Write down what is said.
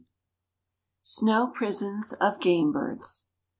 _ SNOW PRISONS OF GAME BIRDS.